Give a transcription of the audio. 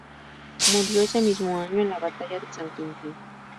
Murió ese mismo año en la Batalla de San Quintín.